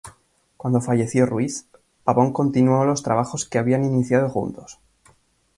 Cuando falleció Ruiz, Pavón continuó los trabajos que habían iniciado juntos.